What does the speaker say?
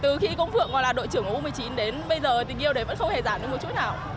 từ khi công phượng gọi là đội trưởng u một mươi chín đến bây giờ tình yêu đấy vẫn không hề giảm được một chút nào